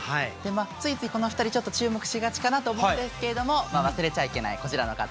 ついついこの２人注目しがちかなと思うんですけれども忘れちゃいけないこちらの方